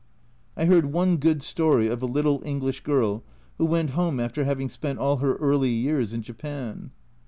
I heard one good story of a little English girl who went home after having spent all her early years in Japan.